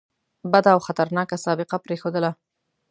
بده او خطرناکه سابقه پرېښودله.